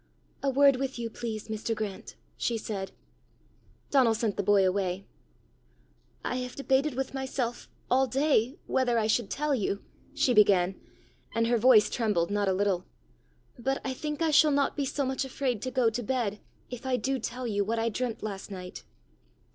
"A word with you, please, Mr. Grant," she said. Donal sent the boy away. "I have debated with myself all day whether I should tell you," she began and her voice trembled not a little; "but I think I shall not be so much afraid to go to bed if I do tell you what I dreamt last night."